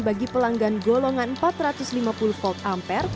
bagi pelanggan golongan empat ratus lima puluh volt ampere